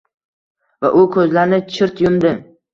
Va u ko‘zlarini chirt yumdi.